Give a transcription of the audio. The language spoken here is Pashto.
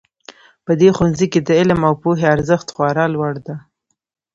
په دې ښوونځي کې د علم او پوهې ارزښت خورا لوړ ده